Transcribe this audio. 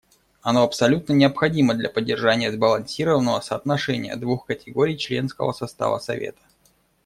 Оно абсолютно необходимо для поддержания сбалансированного соотношения двух категорий членского состава Совета.